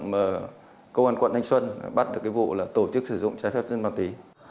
mà công an quận thanh xuân bắt được cái vụ là tổ chức sử dụng trái phép trên ma túy